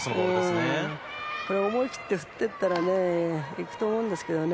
これを思い切って振っていったらいくと思うんですけど。